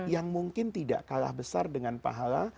yang mungkin tidak kalah besar dengan pahala